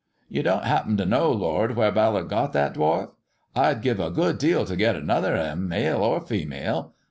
"You don't happen to know, lord, where Ballard got that dwarf 1 I'd give a good deal to get another of 'em, male or female.